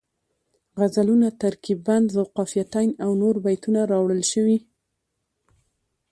غزلونه، ترکیب بند ذوالقافیتین او نور بیتونه راوړل شوي